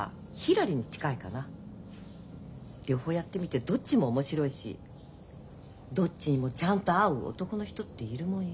両方やってみてどっちも面白いしどっちにもちゃんと合う男の人っているもんよ。